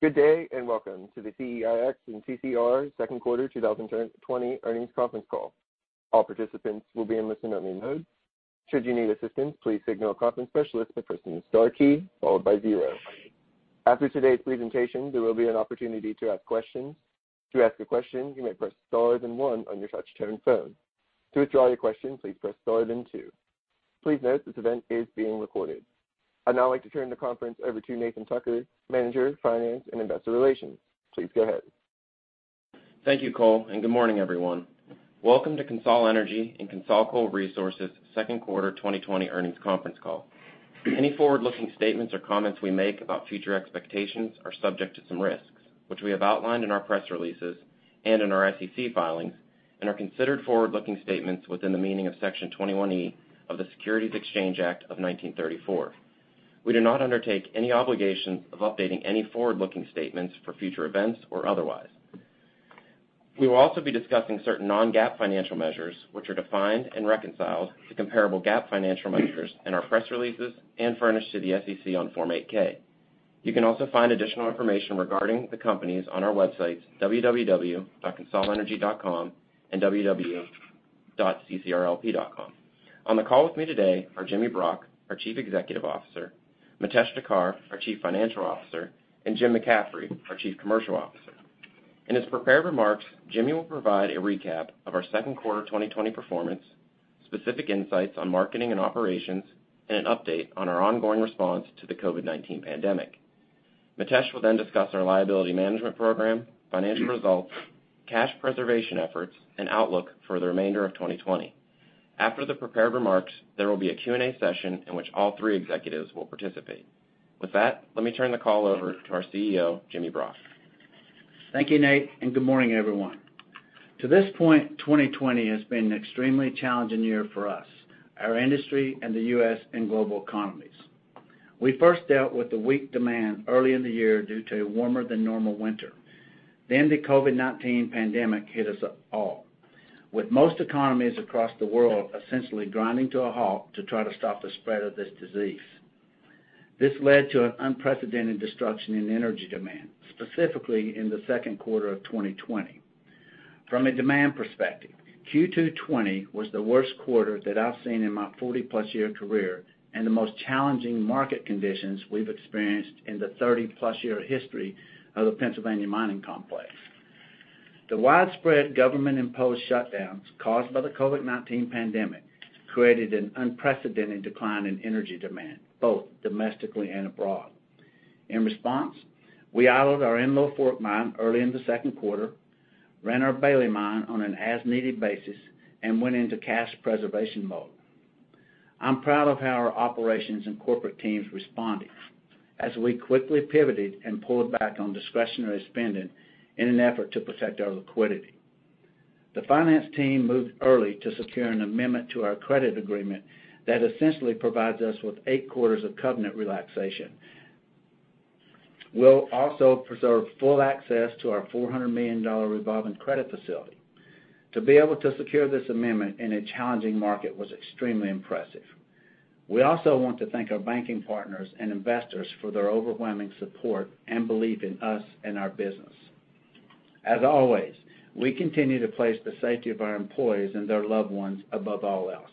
Good day and welcome to the CIEX and CCR Second Quarter 2020 earnings conference call. All participants will be in listen-only mode. Should you need assistance, please signal Conference Specialist by pressing the star key followed by zero. After today's presentation, there will be an opportunity to ask questions. To ask a question, you may press star then one on your touch-tone phone. To withdraw your question, please press star then two. Please note this event is being recorded. I'd now like to turn the conference over to Nathan Martin, Manager, Finance and Investor Relations. Please go ahead. Thank you, Cole, and good morning, everyone. Welcome to CONSOL Energy and CONSOL Coal Resources second quarter 2020 earnings conference call. Any forward-looking statements or comments we make about future expectations are subject to some risks, which we have outlined in our press releases and in our SEC filings, and are considered forward-looking statements within the meaning of Section 21E of the Securities Exchange Act of 1934. We do not undertake any obligations of updating any forward-looking statements for future events or otherwise. We will also be discussing certain non-GAAP financial measures, which are defined and reconciled to comparable GAAP financial measures in our press releases and furnished to the SEC on Form 8-K. You can also find additional information regarding the companies on our websites, www.consolenergy.com and www.ccr.com. On the call with me today are Jimmy Brock, our Chief Executive Officer, Mitesh Thakkar, our Chief Financial Officer, and Jim McCaffrey, our Chief Commercial Officer. In his prepared remarks, Jimmy will provide a recap of our second quarter 2020 performance, specific insights on marketing and operations, and an update on our ongoing response to the COVID-19 pandemic. Mitesh will then discuss our liability management program, financial results, cash preservation efforts, and outlook for the remainder of 2020. After the prepared remarks, there will be a Q&A session in which all three executives will participate. With that, let me turn the call over to our CEO, Jimmy Brock. Thank you, Nate, and good morning, everyone. To this point, 2020 has been an extremely challenging year for us, our industry, and the U.S. and global economies. We first dealt with the weak demand early in the year due to a warmer-than-normal winter. Then the COVID-19 pandemic hit us all, with most economies across the world essentially grinding to a halt to try to stop the spread of this disease. This led to an unprecedented destruction in energy demand, specifically in the second quarter of 2020. From a demand perspective, Q2 2020 was the worst quarter that I've seen in my 40+ year career and the most challenging market conditions we've experienced in the 30+ year history of the Pennsylvania Mining Complex. The widespread government-imposed shutdowns caused by the COVID-19 pandemic created an unprecedented decline in energy demand, both domestically and abroad. In response, we idled our in-law Fort Mine early in the second quarter, ran our Bailey Mine on an as-needed basis, and went into cash preservation mode. I'm proud of how our operations and corporate teams responded as we quickly pivoted and pulled back on discretionary spending in an effort to protect our liquidity. The finance team moved early to secure an amendment to our credit agreement that essentially provides us with eight quarters of covenant relaxation. We'll also preserve full access to our $400 million revolving credit facility. To be able to secure this amendment in a challenging market was extremely impressive. We also want to thank our banking partners and investors for their overwhelming support and belief in us and our business. As always, we continue to place the safety of our employees and their loved ones above all else.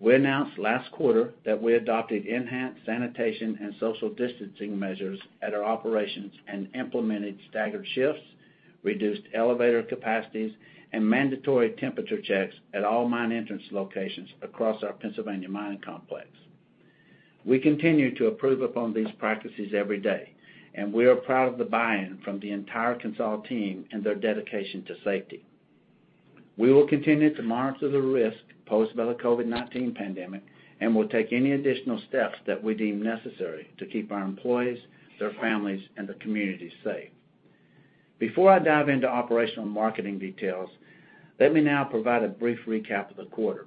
We announced last quarter that we adopted enhanced sanitation and social distancing measures at our operations and implemented staggered shifts, reduced elevator capacities, and mandatory temperature checks at all mine entrance locations across our Pennsylvania Mining Complex. We continue to improve upon these practices every day, and we are proud of the buy-in from the entire Core team and their dedication to safety. We will continue to monitor the risks posed by the COVID-19 pandemic and will take any additional steps that we deem necessary to keep our employees, their families, and the community safe. Before I dive into operational marketing details, let me now provide a brief recap of the quarter.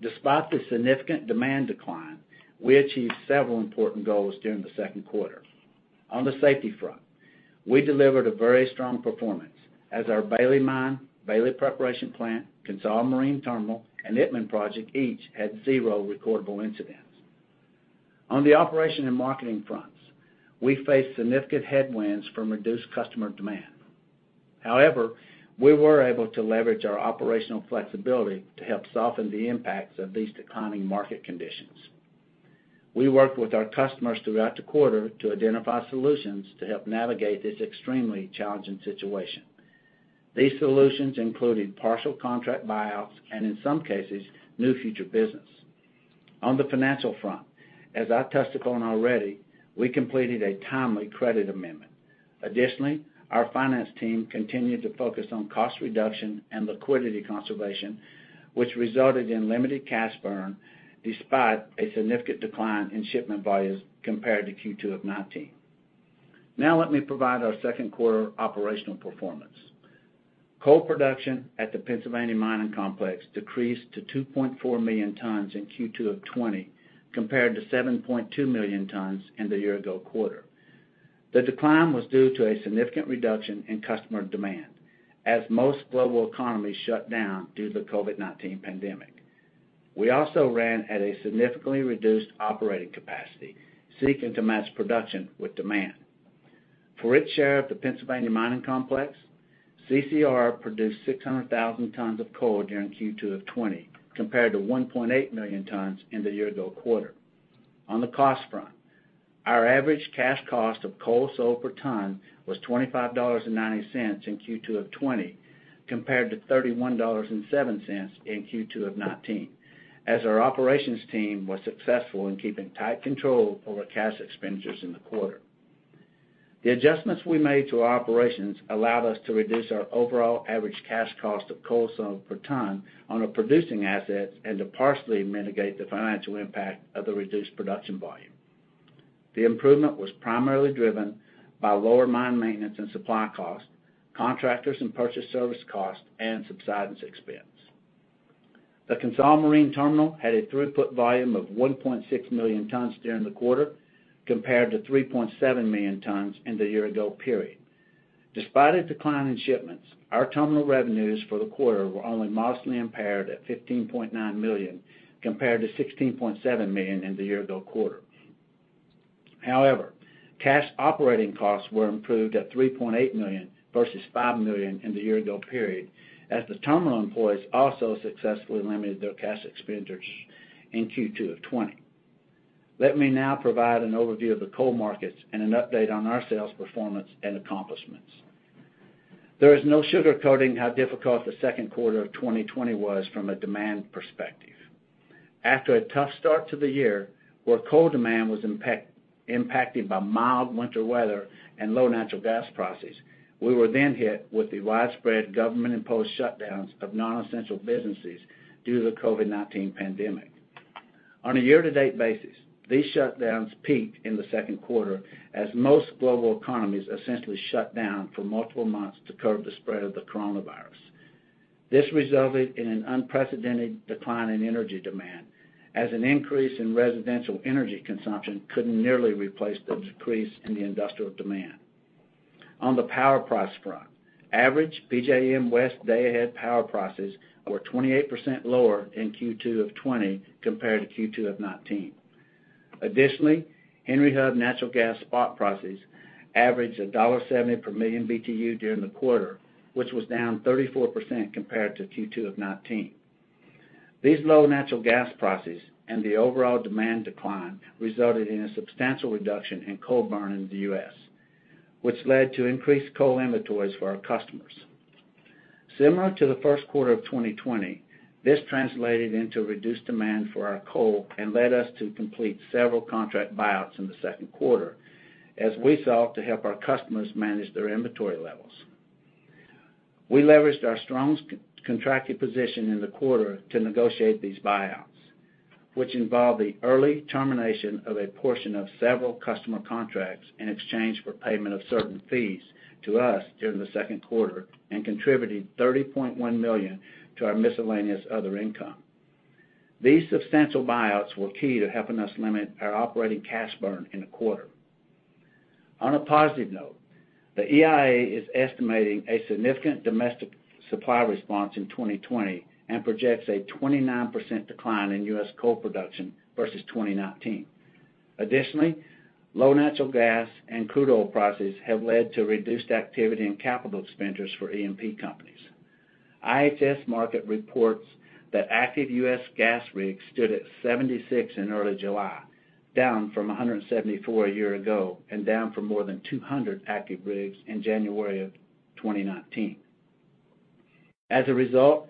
Despite the significant demand decline, we achieved several important goals during the second quarter. On the safety front, we delivered a very strong performance as our Bailey Mine, Bailey Preparation Plant, CONSOL Marine Terminal, and Itmann Project each had zero recordable incidents. On the operation and marketing fronts, we faced significant headwinds from reduced customer demand. However, we were able to leverage our operational flexibility to help soften the impacts of these declining market conditions. We worked with our customers throughout the quarter to identify solutions to help navigate this extremely challenging situation. These solutions included partial contract buyouts and, in some cases, new future business. On the financial front, as I touched upon already, we completed a timely credit amendment. Additionally, our finance team continued to focus on cost reduction and liquidity conservation, which resulted in limited cash burn despite a significant decline in shipment volumes compared to Q2 of 2019. Now let me provide our second quarter operational performance. Coal production at the Pennsylvania Mining Complex decreased to 2.4 million tons in Q2 of 2020 compared to 7.2 million tons in the year-ago quarter. The decline was due to a significant reduction in customer demand as most global economies shut down due to the COVID-19 pandemic. We also ran at a significantly reduced operating capacity, seeking to match production with demand. For its share of the Pennsylvania Mining Complex, CCR produced 600,000 tons of coal during Q2 of 2020 compared to 1.8 million tons in the year-ago quarter. On the cost front, our average cash cost of coal sold per ton was $25.90 in Q2 of 2020 compared to $31.07 in Q2 of 2019, as our operations team was successful in keeping tight control over cash expenditures in the quarter. The adjustments we made to our operations allowed us to reduce our overall average cash cost of coal sold per ton on our producing assets and to partially mitigate the financial impact of the reduced production volume. The improvement was primarily driven by lower mine maintenance and supply costs, contractors and purchase service costs, and subsidence expense. The Core Natural Resources Marine Terminal had a throughput volume of 1.6 million tons during the quarter compared to 3.7 million tons in the year-ago period. Despite a decline in shipments, our terminal revenues for the quarter were only modestly impaired at $15.9 million compared to $16.7 million in the year-ago quarter. However, cash operating costs were improved at $3.8 million versus $5 million in the year-ago period, as the terminal employees also successfully limited their cash expenditures in Q2 of 2020. Let me now provide an overview of the coal markets and an update on our sales performance and accomplishments. There is no sugarcoating how difficult the second quarter of 2020 was from a demand perspective. After a tough start to the year, where coal demand was impacted by mild winter weather and low natural gas prices, we were then hit with the widespread government-imposed shutdowns of nonessential businesses due to the COVID-19 pandemic. On a year-to-date basis, these shutdowns peaked in the second quarter as most global economies essentially shut down for multiple months to curb the spread of the coronavirus. This resulted in an unprecedented decline in energy demand, as an increase in residential energy consumption could not nearly replace the decrease in the industrial demand. On the power price front, average PJM West day-ahead power prices were 28% lower in Q2 of 2020 compared to Q2 of 2019. Additionally, Henry Hub natural gas spot prices averaged $1.70 per million BTU during the quarter, which was down 34% compared to Q2 of 2019. These low natural gas prices and the overall demand decline resulted in a substantial reduction in coal burn in the U.S., which led to increased coal inventories for our customers. Similar to the first quarter of 2020, this translated into reduced demand for our coal and led us to complete several contract buyouts in the second quarter, as we sought to help our customers manage their inventory levels. We leveraged our strong contracting position in the quarter to negotiate these buyouts, which involved the early termination of a portion of several customer contracts in exchange for payment of certain fees to us during the second quarter and contributed $30.1 million to our miscellaneous other income. These substantial buyouts were key to helping us limit our operating cash burn in the quarter. On a positive note, the EIA is estimating a significant domestic supply response in 2020 and projects a 29% decline in U.S. coal production versus 2019. Additionally, low natural gas and crude oil prices have led to reduced activity and capital expenditures for E&P companies. IHS Markit reports that active U.S. gas rigs stood at 76 in early July, down from 174 a year ago and down from more than 200 active rigs in January of 2019. As a result,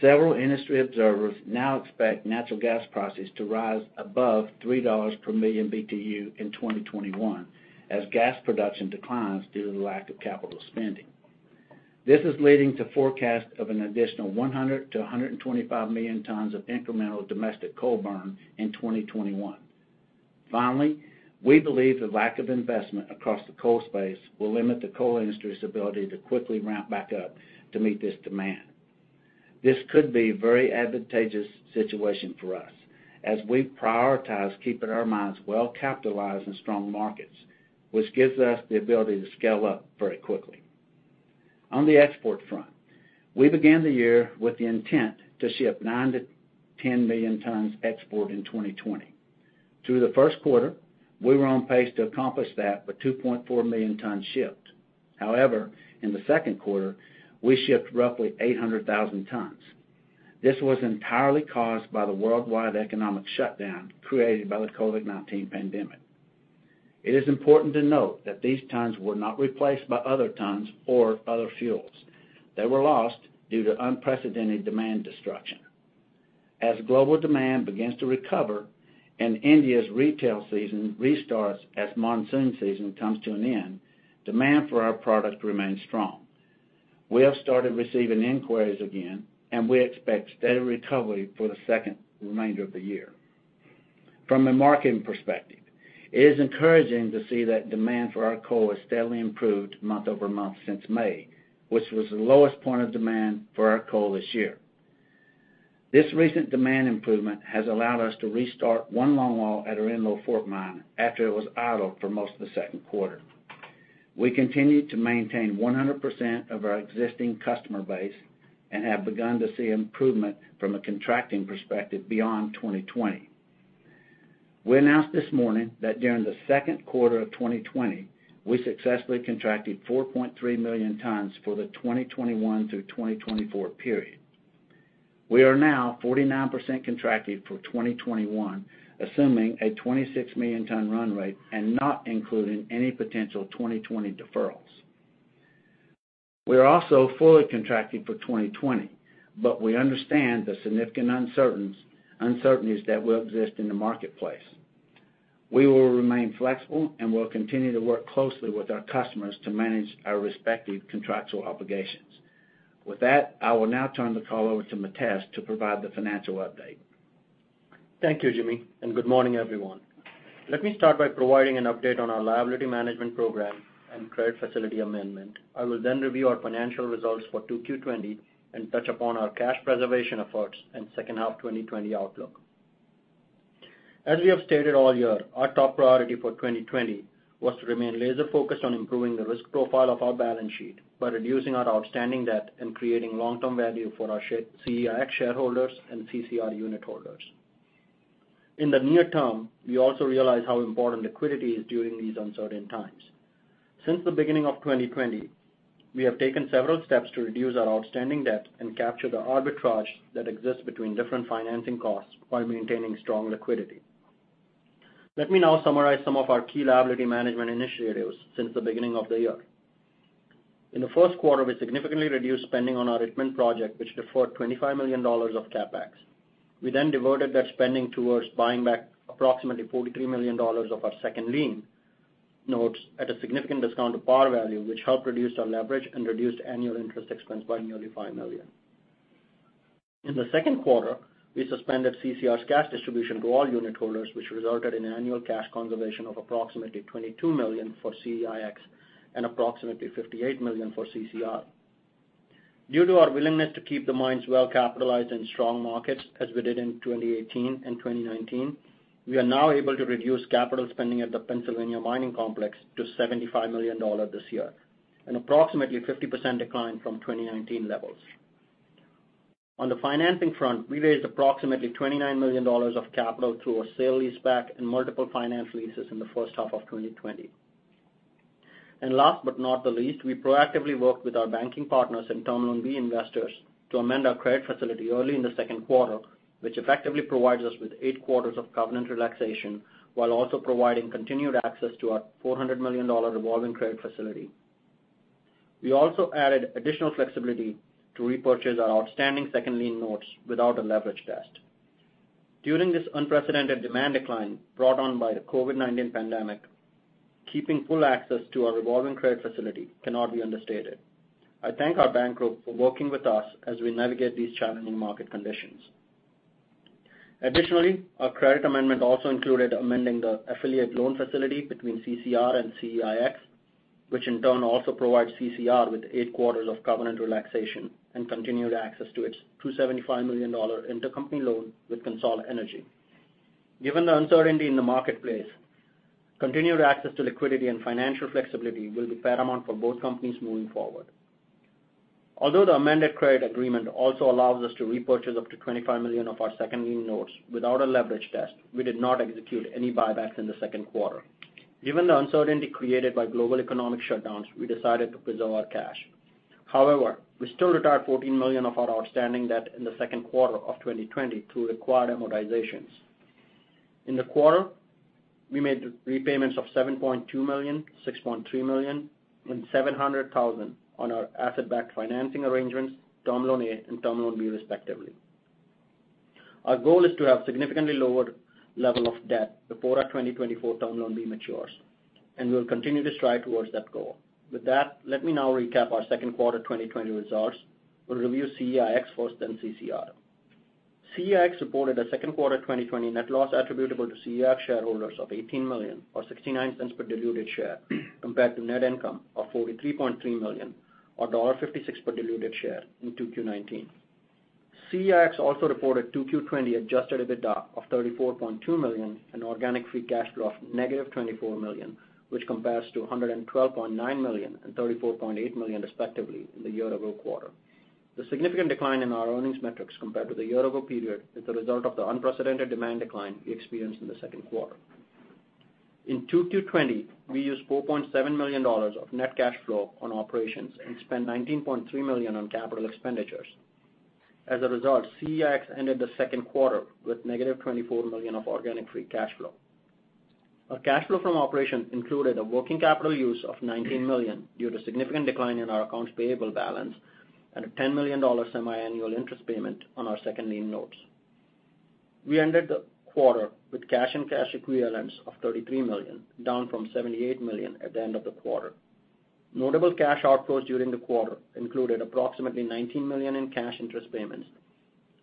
several industry observers now expect natural gas prices to rise above $3 per million BTU in 2021 as gas production declines due to the lack of capital spending. This is leading to forecasts of an additional 100 million-125 million tons of incremental domestic coal burn in 2021. Finally, we believe the lack of investment across the coal space will limit the coal industry's ability to quickly ramp back up to meet this demand. This could be a very advantageous situation for us, as we prioritize keeping our mines well-capitalized in strong markets, which gives us the ability to scale up very quickly. On the export front, we began the year with the intent to ship 9 million-10 million tons export in 2020. Through the first quarter, we were on pace to accomplish that with 2.4 million tons shipped. However, in the second quarter, we shipped roughly 800,000 tons. This was entirely caused by the worldwide economic shutdown created by the COVID-19 pandemic. It is important to note that these tons were not replaced by other tons or other fuels. They were lost due to unprecedented demand destruction. As global demand begins to recover and India's retail season restarts as monsoon season comes to an end, demand for our product remains strong. We have started receiving inquiries again, and we expect steady recovery for the second remainder of the year. From a marketing perspective, it is encouraging to see that demand for our coal has steadily improved month over month since May, which was the lowest point of demand for our coal this year. This recent demand improvement has allowed us to restart one longwall at our in-law Fort Mine after it was idled for most of the second quarter. We continue to maintain 100% of our existing customer base and have begun to see improvement from a contracting perspective beyond 2020. We announced this morning that during the second quarter of 2020, we successfully contracted 4.3 million tons for the 2021 through 2024 period. We are now 49% contracted for 2021, assuming a 26 million ton run rate and not including any potential 2020 deferrals. We are also fully contracted for 2020, but we understand the significant uncertainties that will exist in the marketplace. We will remain flexible and will continue to work closely with our customers to manage our respective contractual obligations. With that, I will now turn the call over to Mitesh to provide the financial update. Thank you, Jimmy, and good morning, everyone. Let me start by providing an update on our liability management program and credit facility amendment. I will then review our financial results for Q2 2020 and touch upon our cash preservation efforts and second half 2020 outlook. As we have stated all year, our top priority for 2020 was to remain laser-focused on improving the risk profile of our balance sheet by reducing our outstanding debt and creating long-term value for our Core Natural Resources shareholders and unit holders. In the near term, we also realize how important liquidity is during these uncertain times. Since the beginning of 2020, we have taken several steps to reduce our outstanding debt and capture the arbitrage that exists between different financing costs while maintaining strong liquidity. Let me now summarize some of our key liability management initiatives since the beginning of the year. In the first quarter, we significantly reduced spending on our Itmann Project, which deferred $25 million of CapEx. We then diverted that spending towards buying back approximately $43 million of our second lien notes at a significant discount of par value, which helped reduce our leverage and reduced annual interest expense by nearly $5 million. In the second quarter, we suspended CCR's cash distribution to all unit holders, which resulted in annual cash conservation of approximately $22 million for Core Natural Resources and approximately $58 million for CCR. Due to our willingness to keep the mines well-capitalized in strong markets, as we did in 2018 and 2019, we are now able to reduce capital spending at the Pennsylvania Mining Complex to $75 million this year, an approximately 50% decline from 2019 levels. On the financing front, we raised approximately $29 million of capital through a sale lease back and multiple finance leases in the first half of 2020. Last but not the least, we proactively worked with our banking partners and Term Loan B investors to amend our credit facility early in the second quarter, which effectively provides us with eight quarters of covenant relaxation while also providing continued access to our $400 million revolving credit facility. We also added additional flexibility to repurchase our outstanding second lien notes without a leverage test. During this unprecedented demand decline brought on by the COVID-19 pandemic, keeping full access to our revolving credit facility cannot be understated. I thank our bank group for working with us as we navigate these challenging market conditions. Additionally, our credit amendment also included amending the affiliate loan facility between CCR and Core Natural Resources, which in turn also provides CCR with eight quarters of covenant relaxation and continued access to its $275 million intercompany loan with Core Natural Resources. Given the uncertainty in the marketplace, continued access to liquidity and financial flexibility will be paramount for both companies moving forward. Although the amended credit agreement also allows us to repurchase up to $25 million of our second lien notes without a leverage test, we did not execute any buybacks in the second quarter. Given the uncertainty created by global economic shutdowns, we decided to preserve our cash. However, we still retired $14 million of our outstanding debt in the second quarter of 2020 through required amortizations. In the quarter, we made repayments of $7.2 million, $6.3 million, and $700,000 on our asset-backed financing arrangements, Term Loan A and Term Loan B, respectively. Our goal is to have a significantly lower level of debt before our 2024 Term Loan B matures, and we will continue to strive towards that goal. With that, let me now recap our second quarter 2020 results and review Core Natural Resources first, then CCR. Core Natural Resources reported a second quarter 2020 net loss attributable to Core Natural Resources shareholders of $18 million, or $0.69 per diluted share, compared to net income of $43.3 million, or $1.56 per diluted share in Q2 2019. Core Natural Resources also reported Q2 2020 adjusted EBITDA of $34.2 million and organic free cash flow of negative $24 million, which compares to $112.9 million and $34.8 million, respectively, in the year-over quarter. The significant decline in our earnings metrics compared to the year-over period is the result of the unprecedented demand decline we experienced in the second quarter. In Q2 2020, we used $4.7 million of net cash flow on operations and spent $19.3 million on capital expenditures. As a result, Core Natural Resources ended the second quarter with negative $24 million of organic free cash flow. Our cash flow from operations included a working capital use of $19 million due to a significant decline in our accounts payable balance and a $10 million semiannual interest payment on our second lien notes. We ended the quarter with cash and cash equivalents of $33 million, down from $78 million at the end of the quarter. Notable cash outflows during the quarter included approximately $19 million in cash interest payments,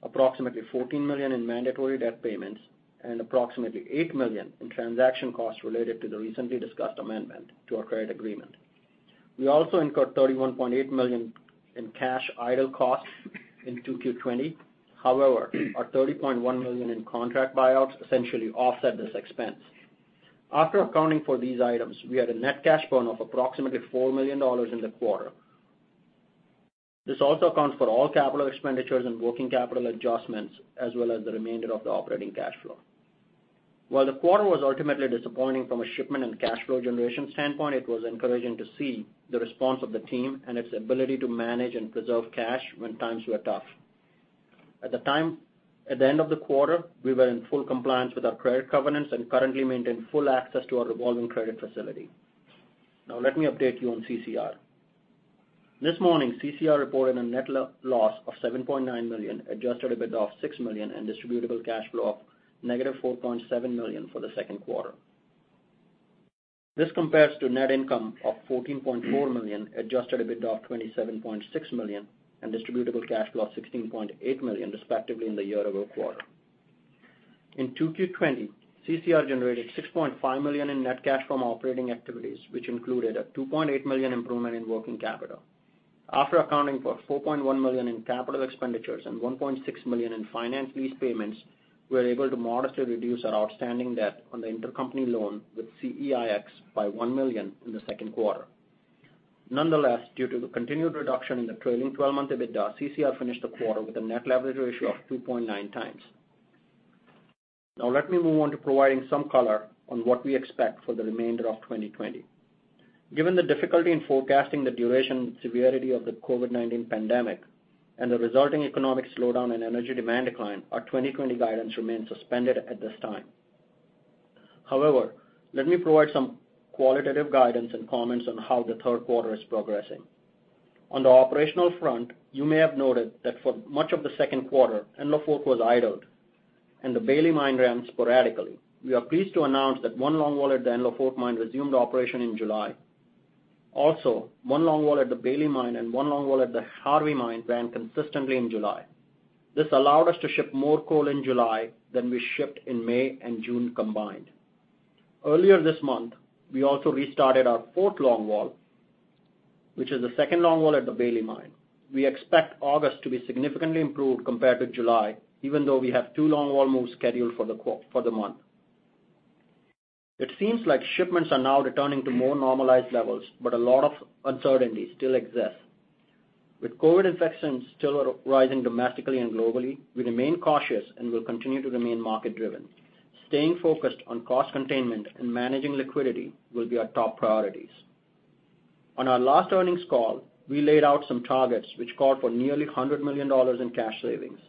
approximately $14 million in mandatory debt payments, and approximately $8 million in transaction costs related to the recently discussed amendment to our credit agreement. We also incurred $31.8 million in cash idle costs in Q2 2020. However, our $30.1 million in contract buyouts essentially offset this expense. After accounting for these items, we had a net cash burn of approximately $4 million in the quarter. This also accounts for all capital expenditures and working capital adjustments, as well as the remainder of the operating cash flow. While the quarter was ultimately disappointing from a shipment and cash flow generation standpoint, it was encouraging to see the response of the team and its ability to manage and preserve cash when times were tough. At the end of the quarter, we were in full compliance with our credit covenants and currently maintain full access to our revolving credit facility. Now, let me update you on CCR. This morning, CCR reported a net loss of $7.9 million, Adjusted EBITDA of $6 million, and distributable cash flow of negative $4.7 million for the second quarter. This compares to net income of $14.4 million, Adjusted EBITDA of $27.6 million, and distributable cash flow of $16.8 million, respectively, in the year-over quarter. In Q2 2020, CCR generated $6.5 million in net cash from operating activities, which included a $2.8 million improvement in working capital. After accounting for $4.1 million in capital expenditures and $1.6 million in finance lease payments, we were able to modestly reduce our outstanding debt on the intercompany loan with Core Natural Resources by $1 million in the second quarter. Nonetheless, due to the continued reduction in the trailing 12-month EBITDA, CCR finished the quarter with a net leverage ratio of 2.9x. Now, let me move on to providing some color on what we expect for the remainder of 2020. Given the difficulty in forecasting the duration and severity of the COVID-19 pandemic and the resulting economic slowdown and energy demand decline, our 2020 guidance remains suspended at this time. However, let me provide some qualitative guidance and comments on how the third quarter is progressing. On the operational front, you may have noted that for much of the second quarter, Enlow Fork was idled, and the Bailey Mine ran sporadically. We are pleased to announce that one longwall at the Enlow Fork Mine resumed operation in July. Also, one longwall at the Bailey Mine and one longwall at the Harvey Mine ran consistently in July. This allowed us to ship more coal in July than we shipped in May and June combined. Earlier this month, we also restarted our fourth longwall, which is the second longwall at the Bailey Mine. We expect August to be significantly improved compared to July, even though we have two longwall moves scheduled for the month. It seems like shipments are now returning to more normalized levels, but a lot of uncertainty still exists. With COVID infections still arising domestically and globally, we remain cautious and will continue to remain market-driven. Staying focused on cost containment and managing liquidity will be our top priorities. On our last earnings call, we laid out some targets which called for nearly $100 million in cash savings.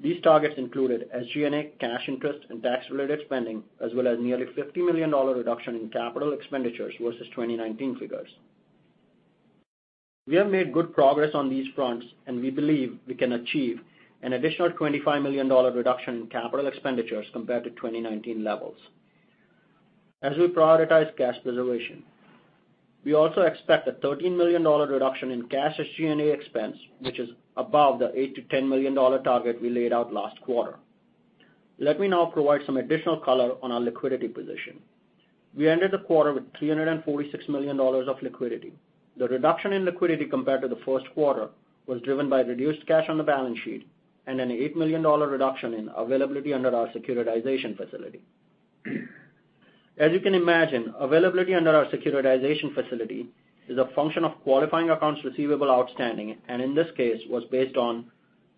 These targets included SG&A cash interest and tax-related spending, as well as nearly $50 million reduction in capital expenditures versus 2019 figures. We have made good progress on these fronts, and we believe we can achieve an additional $25 million reduction in capital expenditures compared to 2019 levels. As we prioritize cash preservation, we also expect a $13 million reduction in cash SG&A expense, which is above the $8 million-$10 million target we laid out last quarter. Let me now provide some additional color on our liquidity position. We ended the quarter with $346 million of liquidity. The reduction in liquidity compared to the first quarter was driven by reduced cash on the balance sheet and an $8 million reduction in availability under our securitization facility. As you can imagine, availability under our securitization facility is a function of qualifying accounts receivable outstanding, and in this case, was based on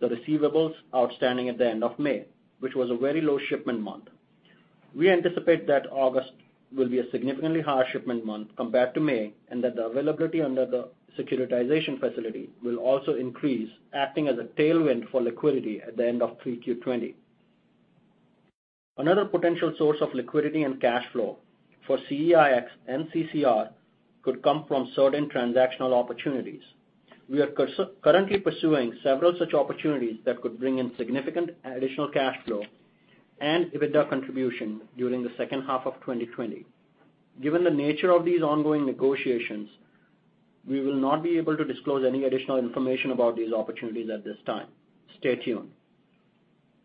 the receivables outstanding at the end of May, which was a very low shipment month. We anticipate that August will be a significantly higher shipment month compared to May and that the availability under the securitization facility will also increase, acting as a tailwind for liquidity at the end of Q2 2020. Another potential source of liquidity and cash flow for Core Natural Resources could come from certain transactional opportunities. We are currently pursuing several such opportunities that could bring in significant additional cash flow and EBITDA contribution during the second half of 2020. Given the nature of these ongoing negotiations, we will not be able to disclose any additional information about these opportunities at this time. Stay tuned.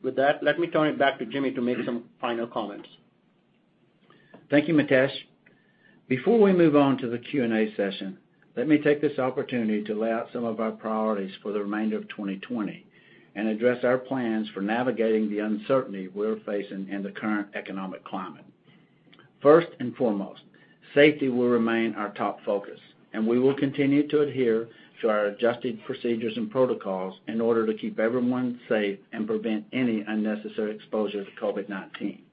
With that, let me turn it back to Jimmy to make some final comments. Thank you, Mitesh. Before we move on to the Q&A session, let me take this opportunity to lay out some of our priorities for the remainder of 2020 and address our plans for navigating the uncertainty we're facing in the current economic climate. First and foremost, safety will remain our top focus, and we will continue to adhere to our adjusted procedures and protocols in order to keep everyone safe and prevent any unnecessary exposure to COVID-19. We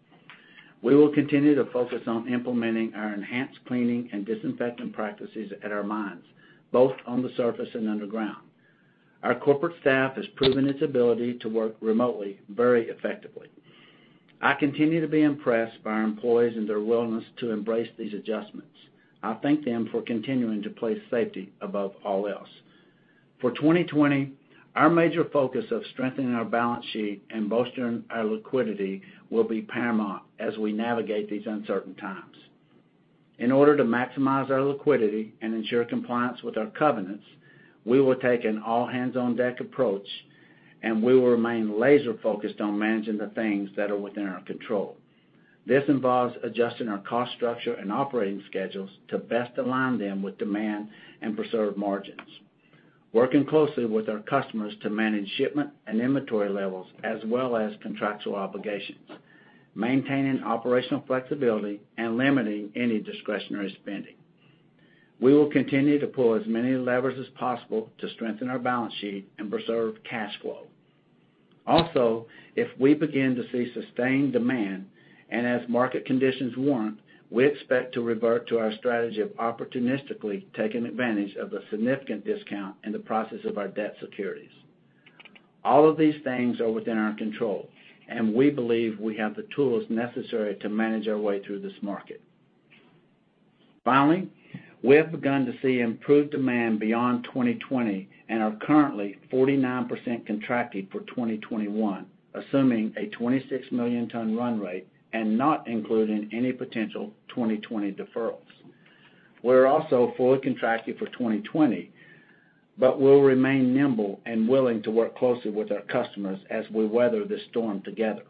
will continue to focus on implementing our enhanced cleaning and disinfecting practices at our mines, both on the surface and underground. Our corporate staff has proven its ability to work remotely very effectively. I continue to be impressed by our employees and their willingness to embrace these adjustments. I thank them for continuing to place safety above all else. For 2020, our major focus of strengthening our balance sheet and bolstering our liquidity will be paramount as we navigate these uncertain times. In order to maximize our liquidity and ensure compliance with our covenants, we will take an all-hands-on-deck approach, and we will remain laser-focused on managing the things that are within our control. This involves adjusting our cost structure and operating schedules to best align them with demand and preserve margins, working closely with our customers to manage shipment and inventory levels, as well as contractual obligations, maintaining operational flexibility and limiting any discretionary spending. We will continue to pull as many levers as possible to strengthen our balance sheet and preserve cash flow. Also, if we begin to see sustained demand and as market conditions warrant, we expect to revert to our strategy of opportunistically taking advantage of the significant discount in the process of our debt securities. All of these things are within our control, and we believe we have the tools necessary to manage our way through this market. Finally, we have begun to see improved demand beyond 2020 and are currently 49% contracted for 2021, assuming a 26 million-ton run rate and not including any potential 2020 deferrals. We are also fully contracted for 2020, but we'll remain nimble and willing to work closely with our customers as we weather this storm together.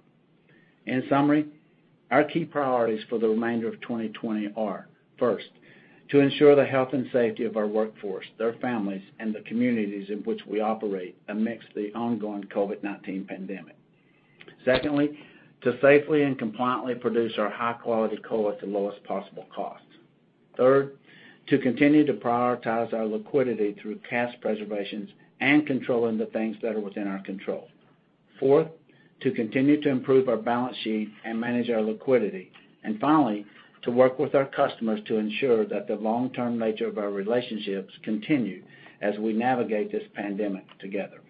In summary, our key priorities for the remainder of 2020 are: first, to ensure the health and safety of our workforce, their families, and the communities in which we operate amidst the ongoing COVID-19 pandemic. Secondly, to safely and compliantly produce our high-quality coal at the lowest possible cost. Third, to continue to prioritize our liquidity through cash preservation and controlling the things that are within our control. Fourth, to continue to improve our balance sheet and manage our liquidity. Finally, to work with our customers to ensure that the long-term nature of our relationships continue as we navigate this pandemic together.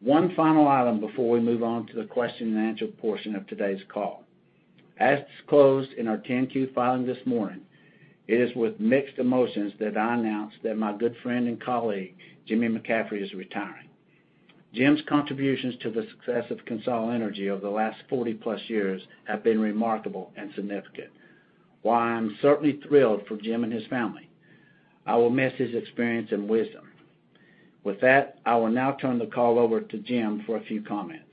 One final item before we move on to the question-and-answer portion of today's call. As disclosed in our 10Q filing this morning, it is with mixed emotions that I announce that my good friend and colleague, Jimmy McCaffrey, is retiring. Jim's contributions to the success of Core Natural Resources over the last 40+ years have been remarkable and significant. While I am certainly thrilled for Jim and his family, I will miss his experience and wisdom. With that, I will now turn the call over to Jim for a few comments.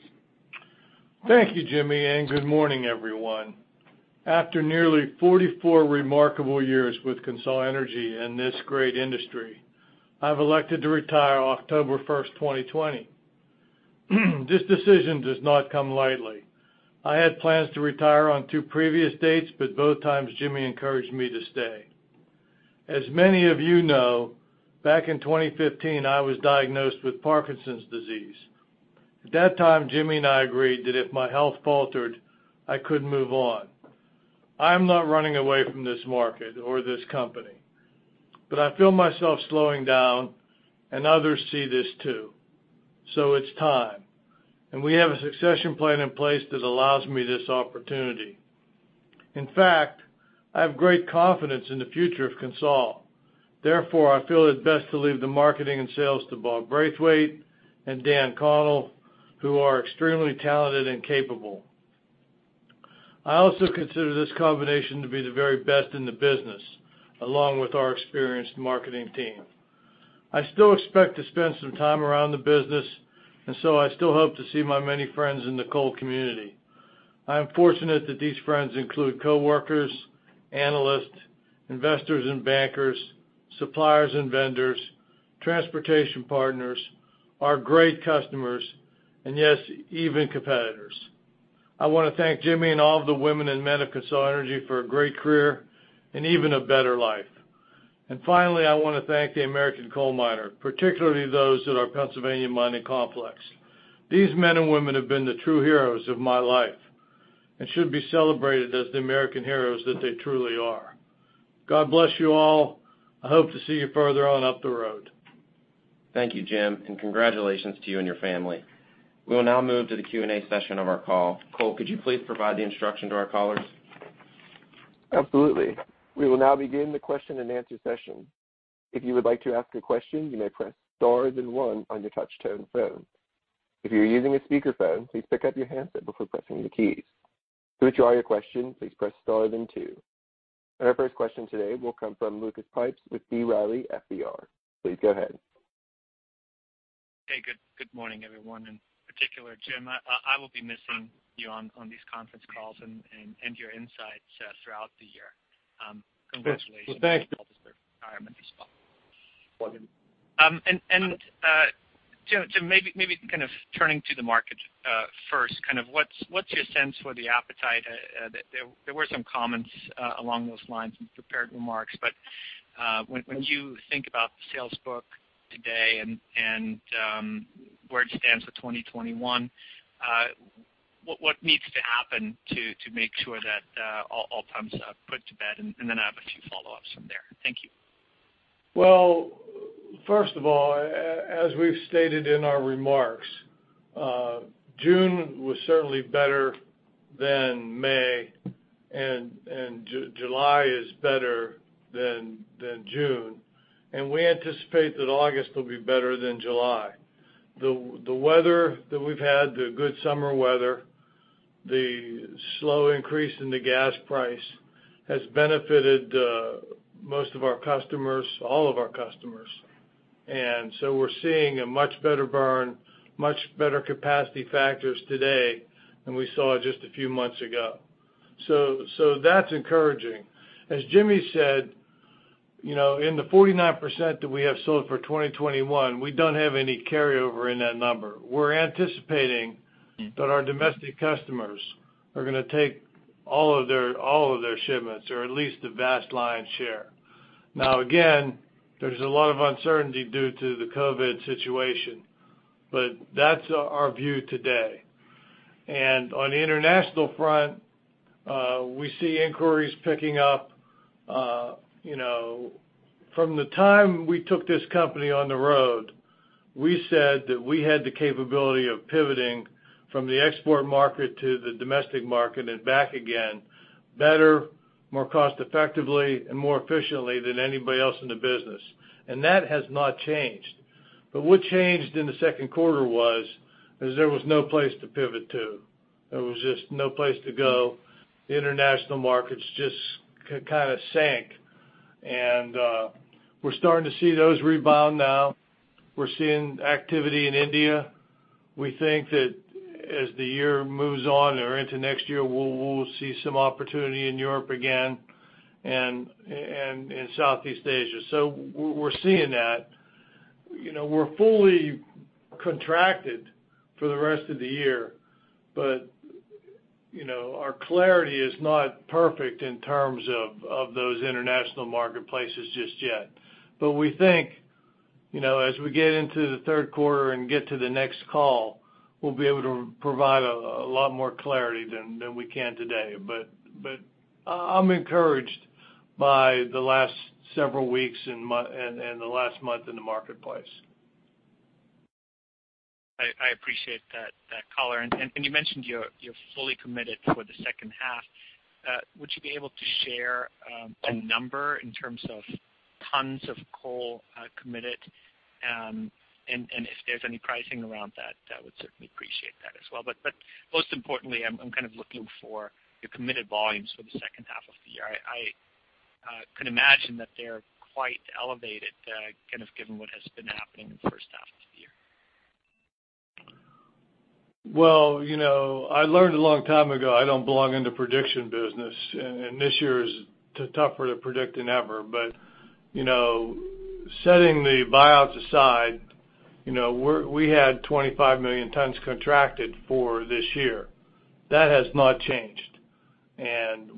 Thank you, Jimmy, and good morning, everyone. After nearly 44 remarkable years with Core Natural Resources and this great industry, I have elected to retire October 1st, 2020. This decision does not come lightly. I had plans to retire on two previous dates, but both times, Jimmy encouraged me to stay. As many of you know, back in 2015, I was diagnosed with Parkinson's disease. At that time, Jimmy and I agreed that if my health faltered, I could not move on. I am not running away from this market or this company, but I feel myself slowing down, and others see this too. It is time, and we have a succession plan in place that allows me this opportunity. In fact, I have great confidence in the future of Core Natural Resources. Therefore, I feel it is best to leave the marketing and sales to Bob Braithwaite and Dan Connell, who are extremely talented and capable. I also consider this combination to be the very best in the business, along with our experienced marketing team. I still expect to spend some time around the business, and I still hope to see my many friends in the coal community. I am fortunate that these friends include coworkers, analysts, investors and bankers, suppliers and vendors, transportation partners, our great customers, and yes, even competitors. I want to thank Jimmy and all of the women and men of Core Natural Resources for a great career and even a better life. Finally, I want to thank the American coal miner, particularly those at our Pennsylvania Mining Complex. These men and women have been the true heroes of my life and should be celebrated as the American heroes that they truly are. God bless you all. I hope to see you further on up the road. Thank you, Jim, and congratulations to you and your family. We will now move to the Q&A session of our call. Cole, could you please provide the instruction to our callers? Absolutely. We will now begin the question-and-answer session. If you would like to ask a question, you may press star and one on your touchtone phone. If you're using a speakerphone, please pick up your handset before pressing the keys. To withdraw your question, please press star and two. Our first question today will come from Lucas Pipes with B. Riley. Please go ahead. Hey, good morning, everyone. In particular, Jim, I will be missing you on these conference calls and your insights throughout the year. Congratulations on the entire Mintis spot. Jim, maybe kind of turning to the market first, kind of what's your sense for the appetite? There were some comments along those lines in prepared remarks, but when you think about the sales book today and where it stands for 2021, what needs to happen to make sure that all pumps are put to bed? I have a few follow-ups from there. Thank you. First of all, as we've stated in our remarks, June was certainly better than May, and July is better than June. We anticipate that August will be better than July. The weather that we have had, the good summer weather, the slow increase in the gas price has benefited most of our customers, all of our customers. We are seeing a much better burn, much better capacity factors today than we saw just a few months ago. That is encouraging. As Jimmy said, in the 49% that we have sold for 2021, we do not have any carryover in that number. We are anticipating that our domestic customers are going to take all of their shipments, or at least the vast lion's share. Now, again, there is a lot of uncertainty due to the COVID situation, but that is our view today. On the international front, we see inquiries picking up. From the time we took this company on the road, we said that we had the capability of pivoting from the export market to the domestic market and back again better, more cost-effectively, and more efficiently than anybody else in the business. That has not changed. What changed in the second quarter was there was no place to pivot to. There was just no place to go. The international markets just kind of sank, and we're starting to see those rebound now. We're seeing activity in India. We think that as the year moves on or into next year, we'll see some opportunity in Europe again and in Southeast Asia. We're seeing that. We're fully contracted for the rest of the year, but our clarity is not perfect in terms of those international marketplaces just yet. We think as we get into the third quarter and get to the next call, we'll be able to provide a lot more clarity than we can today. I'm encouraged by the last several weeks and the last month in the marketplace. I appreciate that, Caller. You mentioned you're fully committed for the second half. Would you be able to share a number in terms of tons of coal committed? If there's any pricing around that, I would certainly appreciate that as well. Most importantly, I'm kind of looking for your committed volumes for the second half of the year. I can imagine that they're quite elevated, kind of given what has been happening in the first half of the year. I learned a long time ago I don't belong in the prediction business, and this year is tougher to predict than ever. Setting the buyouts aside, we had 25 million tons contracted for this year. That has not changed.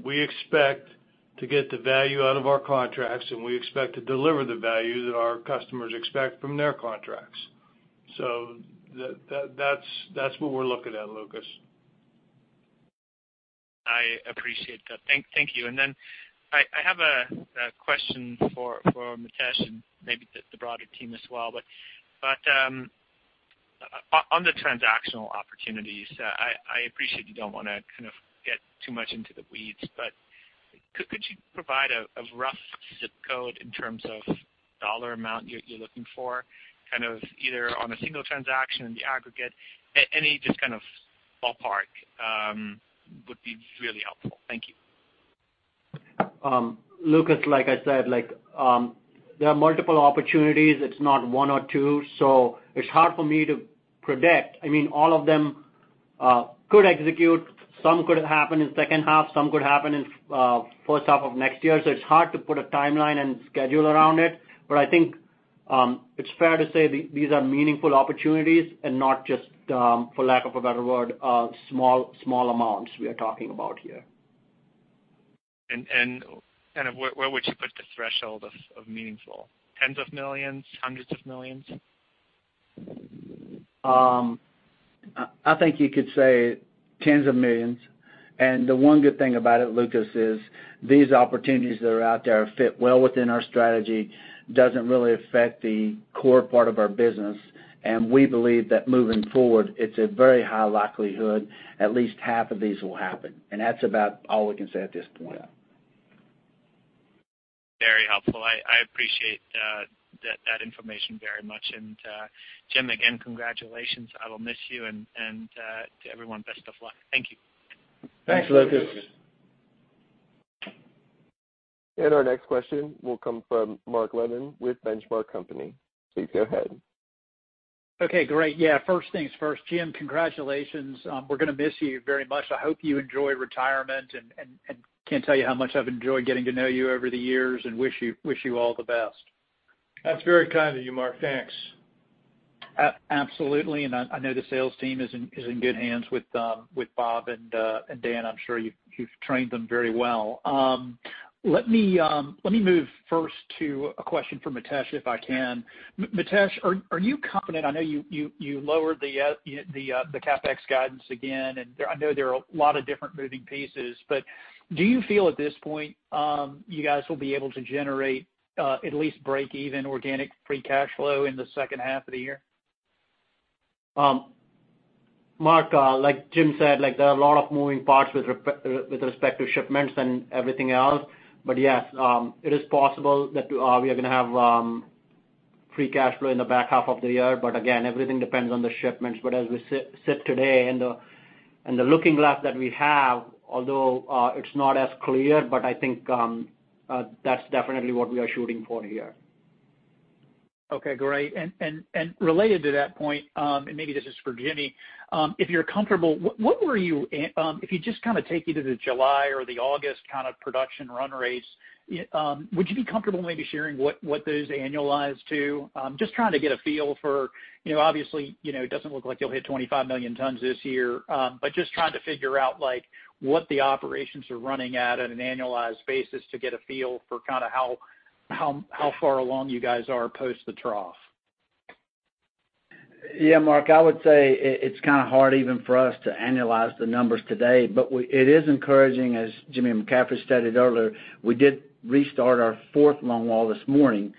We expect to get the value out of our contracts, and we expect to deliver the value that our customers expect from their contracts. That is what we are looking at, Lucas. I appreciate that. Thank you. I have a question for Mitesh and maybe the broader team as well. On the transactional opportunities, I appreciate you do not want to kind of get too much into the weeds, but could you provide a rough zip code in terms of dollar amount you are looking for, kind of either on a single transaction or the aggregate? Any just kind of ballpark would be really helpful. Thank you. Lucas, like I said, there are multiple opportunities. It is not one or two, so it is hard for me to predict. I mean, all of them could execute. Some could happen in the second half. Some could happen in the first half of next year. It's hard to put a timeline and schedule around it. I think it's fair to say these are meaningful opportunities and not just, for lack of a better word, small amounts we are talking about here. Kind of where would you put the threshold of meaningful? Tens of millions? Hundreds of millions? I think you could say tens of millions. The one good thing about it, Lucas, is these opportunities that are out there fit well within our strategy, doesn't really affect the core part of our business. We believe that moving forward, it's a very high likelihood at least half of these will happen. That's about all we can say at this point. Very helpful. I appreciate that information very much. Jim, again, congratulations. I will miss you. To everyone, best of luck. Thank you. Thanks, Lucas. Our next question will come from Mark Levin with Benchmark Company. Please go ahead. Okay, great. Yeah, first things first. Jim, congratulations. We're going to miss you very much. I hope you enjoy retirement. I can't tell you how much I've enjoyed getting to know you over the years and wish you all the best. That's very kind of you, Mark. Thanks. Absolutely. I know the sales team is in good hands with Bob and Dan. I'm sure you've trained them very well. Let me move first to a question for Mitesh, if I can. Mitesh, are you confident? I know you lowered the CapEx guidance again, and I know there are a lot of different moving pieces, but do you feel at this point you guys will be able to generate at least break-even organic free cash flow in the second half of the year? Mark, like Jim said, there are a lot of moving parts with respect to shipments and everything else. Yes, it is possible that we are going to have free cash flow in the back half of the year. Again, everything depends on the shipments. As we sit today and the looking glass that we have, although it is not as clear, I think that is definitely what we are shooting for here. Okay, great. Related to that point, and maybe this is for Jimmy, if you're comfortable, what were you if you just kind of take you to the July or the August kind of production run rates, would you be comfortable maybe sharing what those annualized to? Just trying to get a feel for obviously, it doesn't look like you'll hit 25 million tons this year, but just trying to figure out what the operations are running at on an annualized basis to get a feel for kind of how far along you guys are post the trough. Yeah, Mark, I would say it's kind of hard even for us to annualize the numbers today, but it is encouraging. As Jimmy McCaffrey stated earlier, we did restart our fourth longwall this morning.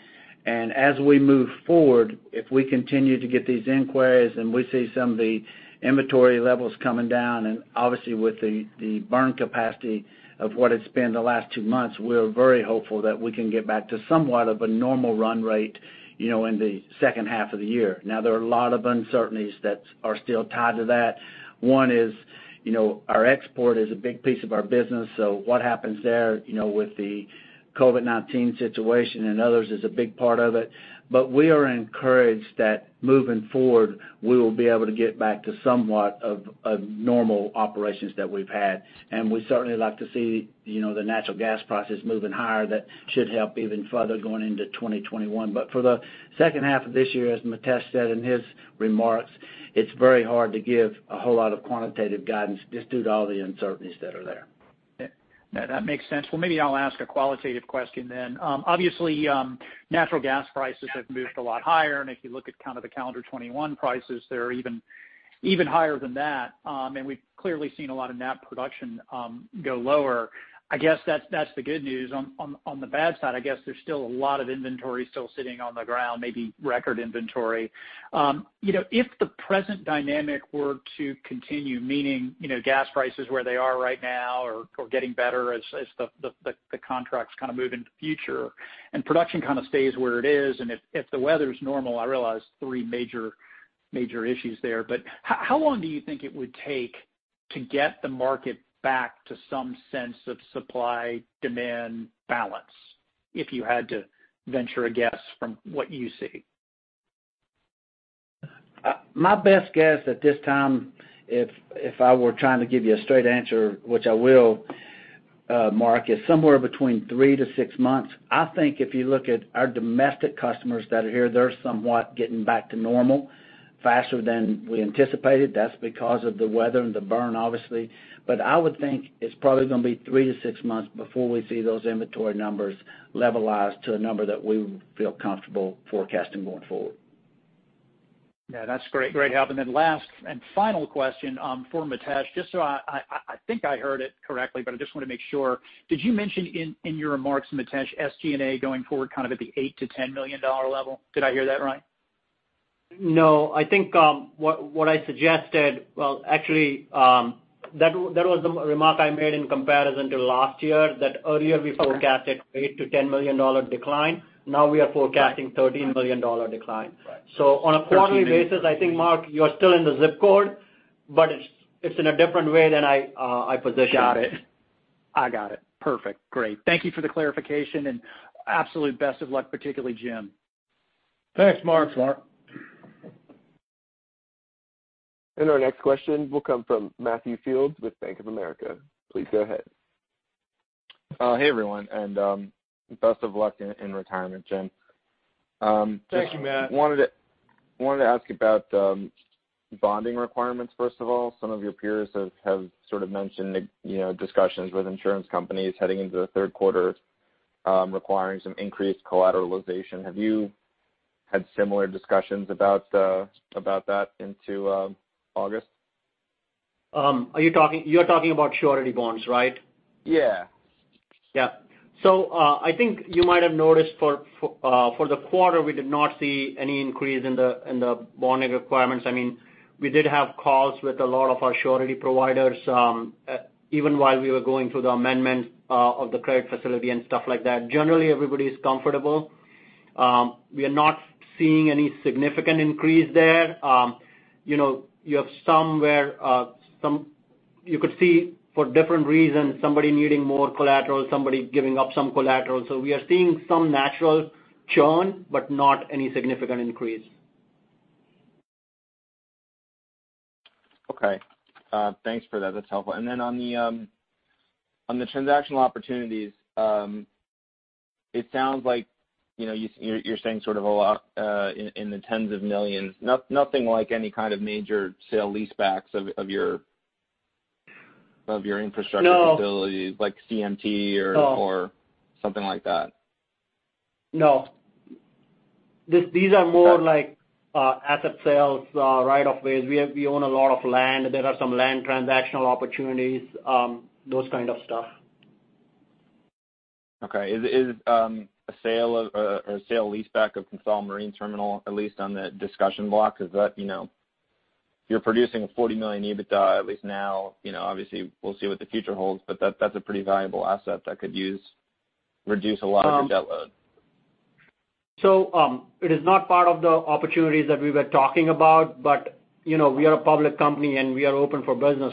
As we move forward, if we continue to get these inquiries and we see some of the inventory levels coming down, and obviously with the burn capacity of what it has been the last two months, we are very hopeful that we can get back to somewhat of a normal run rate in the second half of the year. There are a lot of uncertainties that are still tied to that. One is our export is a big piece of our business, so what happens there with the COVID-19 situation and others is a big part of it. We are encouraged that moving forward, we will be able to get back to somewhat of normal operations that we have had. We certainly like to see the natural gas prices moving higher. That should help even further going into 2021. For the second half of this year, as Mitesh said in his remarks, it's very hard to give a whole lot of quantitative guidance just due to all the uncertainties that are there. That makes sense. Maybe I'll ask a qualitative question then. Obviously, natural gas prices have moved a lot higher. If you look at kind of the calendar 2021 prices, they're even higher than that. We've clearly seen a lot of NAP production go lower. I guess that's the good news. On the bad side, I guess there's still a lot of inventory still sitting on the ground, maybe record inventory. If the present dynamic were to continue, meaning gas prices where they are right now or getting better as the contracts kind of move into the future and production kind of stays where it is, and if the weather's normal, I realize three major issues there. How long do you think it would take to get the market back to some sense of supply-demand balance if you had to venture a guess from what you see? My best guess at this time, if I were trying to give you a straight answer, which I will, Mark, is somewhere between three to six months. I think if you look at our domestic customers that are here, they're somewhat getting back to normal faster than we anticipated. That's because of the weather and the burn, obviously. I would think it's probably going to be three to six months before we see those inventory numbers levelize to a number that we feel comfortable forecasting going forward. Yeah, that's great. Great help. Last and final question for Mitesh, just so I think I heard it correctly, but I just want to make sure. Did you mention in your remarks, Mitesh, SG&A going forward kind of at the $8 million-$10 million level? Did I hear that right? No, I think what I suggested, actually, that was the remark I made in comparison to last year, that earlier we forecasted an $8 million-$10 million decline. Now we are forecasting a $13 million decline. On a quarterly basis, I think, Mark, you're still in the zip code, but it's in a different way than I positioned it. Got it. I got it. Perfect. Great. Thank you for the clarification. Absolute best of luck, particularly Jim. Thanks, Mark. Thanks, Mark. Our next question will come from Matthew Fields with Bank of America. Please go ahead. Hey, everyone, and best of luck in retirement, Jim. Thank you, Matt. I wanted to ask about bonding requirements, first of all. Some of your peers have sort of mentioned discussions with insurance companies heading into the third quarter requiring some increased collateralization. Have you had similar discussions about that into August? You're talking about surety bonds, right? Yeah. Yeah. I think you might have noticed for the quarter, we did not see any increase in the bonding requirements. I mean, we did have calls with a lot of our surety providers, even while we were going through the amendment of the credit facility and stuff like that. Generally, everybody's comfortable. We are not seeing any significant increase there. You have some where you could see, for different reasons, somebody needing more collateral, somebody giving up some collateral. We are seeing some natural churn, but not any significant increase. Okay. Thanks for that. That's helpful. Then on the transactional opportunities, it sounds like you're saying sort of a lot in the tens of millions. Nothing like any kind of major sale leasebacks of your infrastructure facilities, like CMT or something like that? No. These are more like asset sales, right of ways. We own a lot of land. There are some land transactional opportunities, those kind of stuff. Okay. Is a sale or sale leaseback of Consolidated Marine Terminal at least on the discussion block? Because you're producing a $40 million EBITDA, at least now. Obviously, we'll see what the future holds, but that's a pretty valuable asset that could reduce a lot of your debt load. It is not part of the opportunities that we were talking about, but we are a public company, and we are open for business.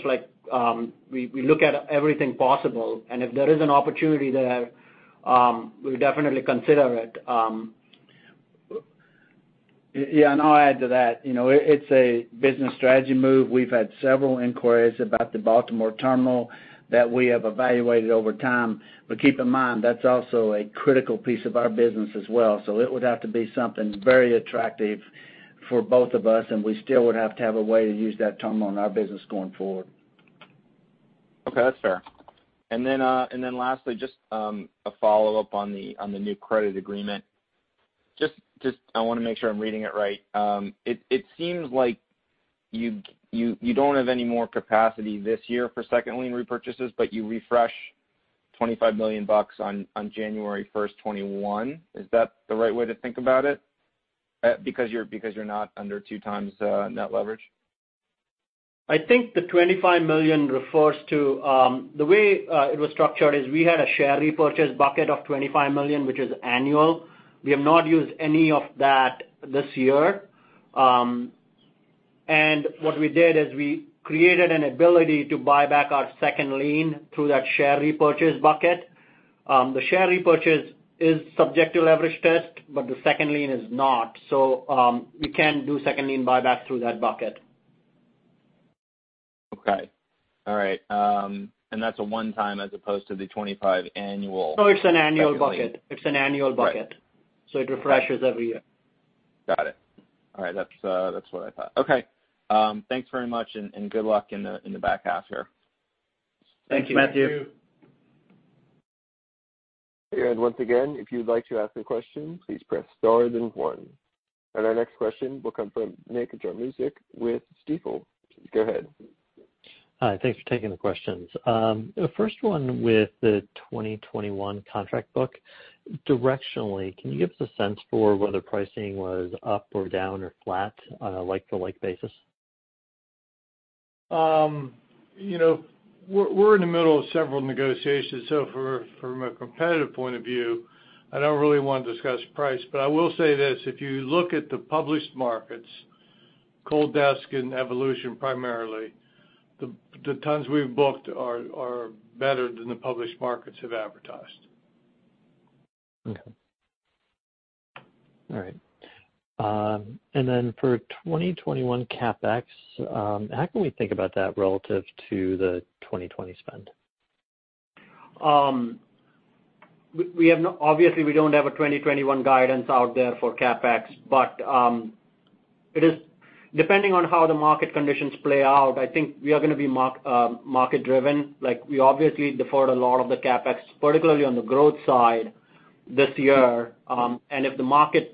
We look at everything possible. If there is an opportunity there, we'll definitely consider it. Yeah, I'll add to that. It's a business strategy move. We've had several inquiries about the Baltimore terminal that we have evaluated over time. Keep in mind, that's also a critical piece of our business as well. It would have to be something very attractive for both of us, and we still would have to have a way to use that terminal in our business going forward. Okay, that's fair. Lastly, just a follow-up on the new credit agreement. Just I want to make sure I'm reading it right. It seems like you don't have any more capacity this year for second lien repurchases, but you refresh $25 million on January 1st, 2021. Is that the right way to think about it? Because you're not under two times net leverage. I think the $25 million refers to the way it was structured is we had a share repurchase bucket of $25 million, which is annual. We have not used any of that this year. And what we did is we created an ability to buy back our second lien through that share repurchase bucket. The share repurchase is subject to leverage test, but the second lien is not. So we can do second lien buyback through that bucket. Okay. All right. And that's a one-time as opposed to the $25 million annual. No, it's an annual bucket. It's an annual bucket. It refreshes every year. Got it. All right. That's what I thought. Okay. Thanks very much, and good luck in the back half here. Thank you, Matthew. Once again, if you'd like to ask a question, please press star then one. Our next question will come from Nick Jaruzic with Stifel. Go ahead. Hi. Thanks for taking the questions. The first one with the 2021 contract book. Directionally, can you give us a sense for whether pricing was up or down or flat on a like-for-like basis? We're in the middle of several negotiations. From a competitive point of view, I don't really want to discuss price, but I will say this. If you look at the published markets, Coal Desk and Evolution primarily, the tons we've booked are better than the published markets have advertised. Okay. All right. For 2021 CapEx, how can we think about that relative to the 2020 spend? Obviously, we do not have a 2021 guidance out there for CapEx, but depending on how the market conditions play out, I think we are going to be market-driven. We obviously deferred a lot of the CapEx, particularly on the growth side this year. If the market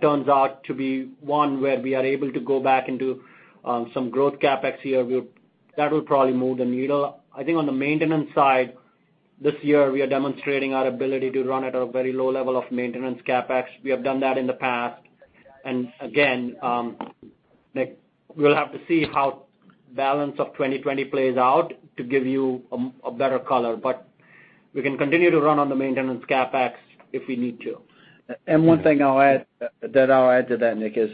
turns out to be one where we are able to go back into some growth CapEx here, that will probably move the needle. I think on the maintenance side, this year, we are demonstrating our ability to run at a very low level of maintenance CapEx. We have done that in the past. We will have to see how the balance of 2020 plays out to give you a better color. We can continue to run on the maintenance CapEx if we need to. One thing I'll add to that, Nick, is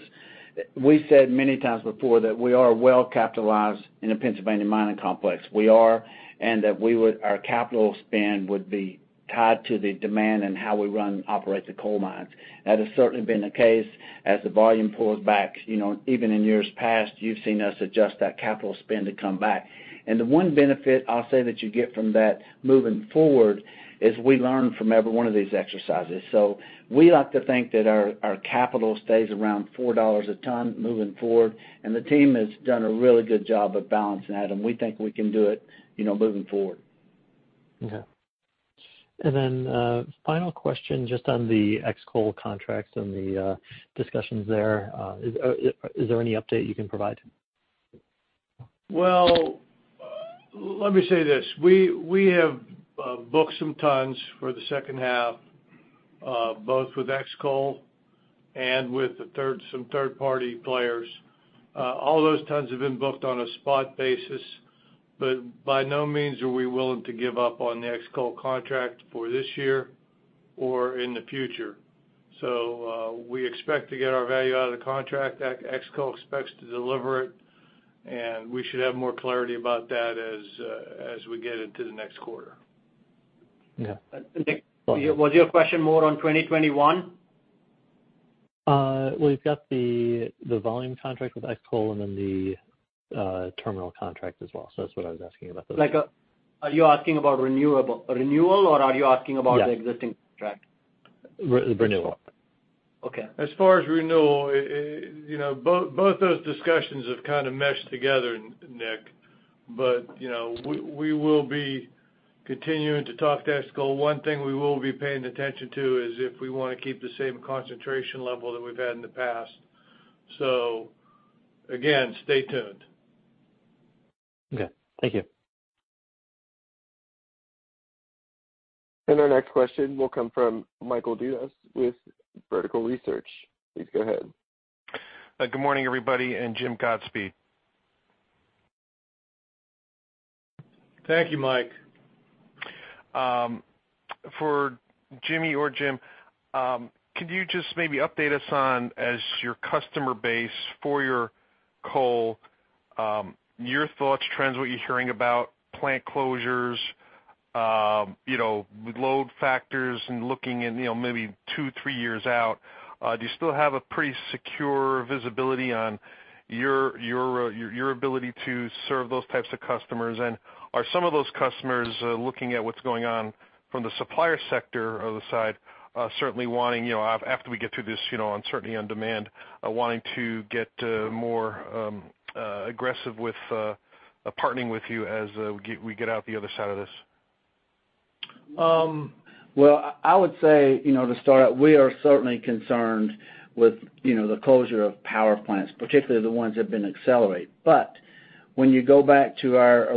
we said many times before that we are well-capitalized in the Pennsylvania Mining Complex. We are, and that our capital spend would be tied to the demand and how we run and operate the coal mines. That has certainly been the case as the volume pulls back. Even in years past, you've seen us adjust that capital spend to come back. The one benefit I'll say that you get from that moving forward is we learn from every one of these exercises. We like to think that our capital stays around $4 a ton moving forward. The team has done a really good job of balancing that, and we think we can do it moving forward. Okay. Final question, just on the excoal contracts and the discussions there. Is there any update you can provide? Let me say this. We have booked some tons for the second half, both with Xcoal and with some third-party players. All those tons have been booked on a spot basis, but by no means are we willing to give up on the Xcoal contract for this year or in the future. We expect to get our value out of the contract. Xcoal expects to deliver it, and we should have more clarity about that as we get into the next quarter. Okay. Nick, was your question more on 2021? You have the volume contract with Xcoal and then the terminal contract as well. That is what I was asking about. Are you asking about renewal, or are you asking about the existing contract? Renewal. Okay. As far as renewal, both those discussions have kind of meshed together, Nick, but we will be continuing to talk to Xcoal. One thing we will be paying attention to is if we want to keep the same concentration level that we've had in the past. Again, stay tuned. Okay. Thank you. Our next question will come from Michael Diaz with Vertical Research. Please go ahead. Good morning, everybody, and Jim God speed. Thank you, Mike. For Jimmy or Jim, could you just maybe update us on, as your customer base for your coal, your thoughts, trends, what you're hearing about plant closures, load factors, and looking maybe two, three years out? Do you still have a pretty secure visibility on your ability to serve those types of customers? Are some of those customers looking at what's going on from the supplier sector side certainly wanting, after we get through this uncertainty on demand, wanting to get more aggressive with partnering with youas we get out the other side of this? I would say, to start out, we are certainly concerned with the closure of power plants, particularly the ones that have been accelerating. When you go back to our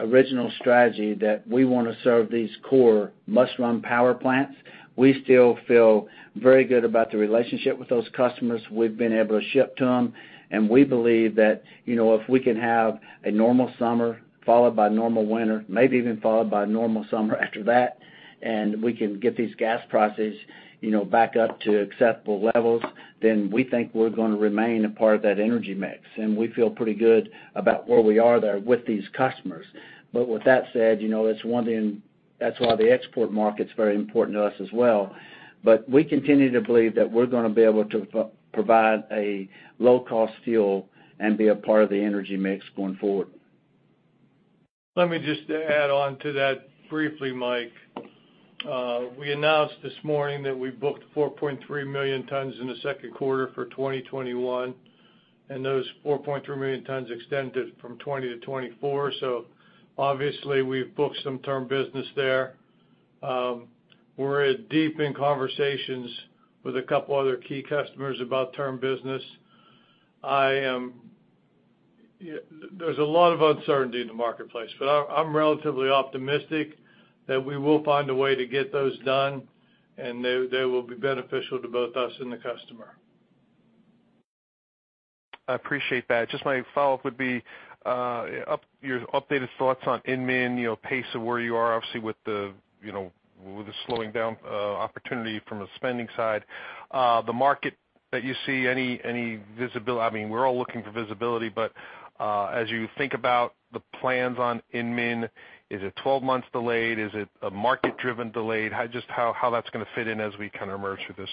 original strategy that we want to serve these core must-run power plants, we still feel very good about the relationship with those customers. We've been able to ship to them, and we believe that if we can have a normal summer followed by a normal winter, maybe even followed by a normal summer after that, and we can get these gas prices back up to acceptable levels, then we think we're going to remain a part of that energy mix. We feel pretty good about where we are there with these customers. That is one thing, and that is why the export market is very important to us as well. We continue to believe that we're going to be able to provide a low-cost fuel and be a part of the energy mix going forward. Let me just add on to that briefly, Mike. We announced this morning that we booked 4.3 million tons in the second quarter for 2021, and those 4.3 million tons extended from 2020-2024. Obviously, we've booked some term business there. We're deep in conversations with a couple of other key customers about term business. There's a lot of uncertainty in the marketplace, but I'm relatively optimistic that we will find a way to get those done, and they will be beneficial to both us and the customer. I appreciate that. Just my follow-up would be your updated thoughts on Itmann, pace of where you are, obviously, with the slowing down opportunity from a spending side. The market that you see, I mean, we're all looking for visibility, but as you think about the plans on Itmann, is it 12 months delayed? Is it a market-driven delay? Just how that's going to fit in as we kind of emerge through this.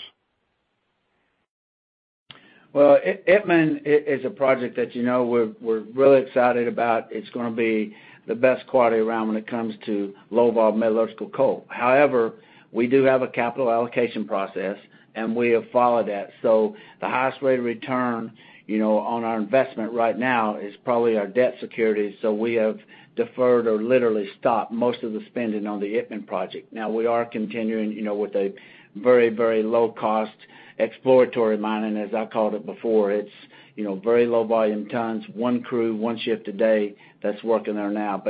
Itmann is a project that we're really excited about. It's going to be the best quality around when it comes to low-vol metallurgical coal. However, we do have a capital allocation process, and we have followed that. The highest rate of return on our investment right now is probably our debt security. We have deferred or literally stopped most of the spending on the Itmann Project. Now, we are continuing with a very, very low-cost exploratory mining, as I called it before. It's very low-volume tons, one crew, one shift a day that's working there now.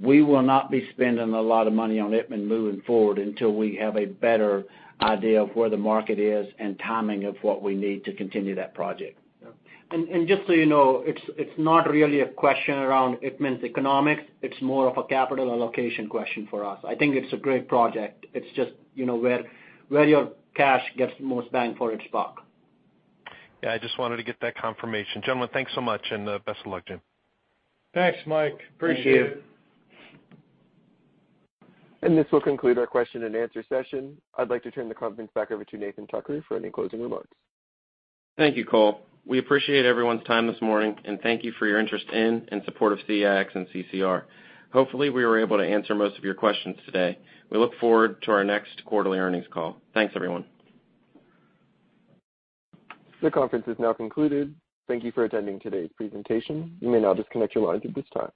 We will not be spending a lot of money on Itmann moving forward until we have a better idea of where the market is and timing of what we need to continue that project. Just so you know, it's not really a question around Itmann's economics. It's more of a capital allocation question for us. I think it's a great project. It's just where your cash gets the most bang for its buck. Yeah, I just wanted to get that confirmation. Gentlemen, thanks so much, and best of luck, Jim. Thanks, Mike. Appreciate it. Thank you. This will conclude our question-and-answer session. I would like to turn the conference back over to Nathan Tucker for any closing remarks. Thank you, Cole. We appreciate everyone's time this morning, and thank you for your interest in and support of Core Natural Resources. Hopefully, we were able to answer most of your questions today. We look forward to our next quarterly earnings call. Thanks, everyone. The conference is now concluded. Thank you for attending today's presentation. You may now disconnect your lines at this time.